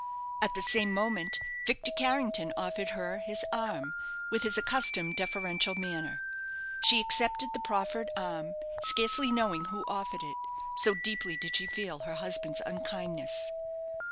At the same moment Victor Carrington offered her his arm, with his accustomed deferential manner. She accepted the proffered arm, scarcely knowing who offered it, so deeply did she feel her husband's unkindness.